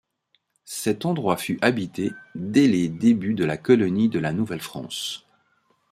Cet endroit fut habité dès les débuts de la colonie de la Nouvelle-France.